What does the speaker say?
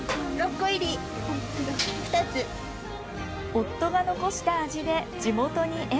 夫が残した味で地元に笑顔を。